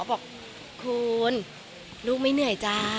บอกคุณลูกไม่เหนื่อยจ้า